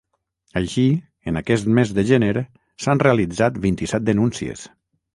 Així, en aquest mes de gener s’han realitzat vint-i-set denúncies.